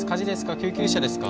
救急車ですか？